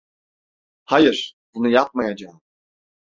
Hayır, bunu yapmayacağım.